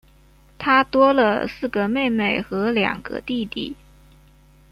她多了四个妹妹和两个弟弟